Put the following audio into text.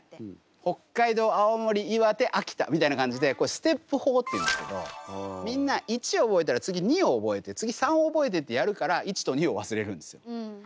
北海道青森岩手秋田みたいな感じでステップ法っていうんですけどみんな１覚えたら次２を覚えて次３覚えてってやるから１と２を忘れるんですよ。